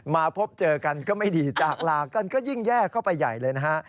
มาพบเจอกันก็ไม่ดีจากลากันก็ยิ่งแยกเข้าไปใหญ่เลยนะฮะ